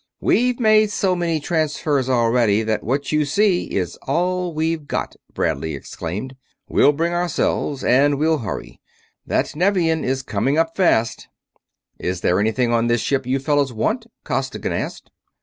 "We've made so many transfers already that what you see is all we've got," Bradley explained. "We'll bring ourselves, and we'll hurry. That Nevian is coming up fast." "Is there anything on this ship you fellows want?" Costigan asked.